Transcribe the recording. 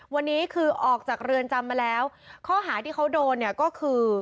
วันนี้คือออกจากเรือนจำมาแล้วข้อหาที่เขาโดนเนี่ยก็คือ